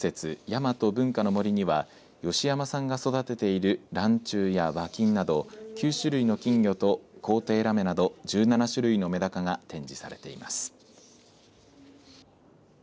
やまと文化の森には吉山さんが育てているらんちゅうや和金など９種類の金魚と紅帝ラメなど１７種類のメダカが展示されています。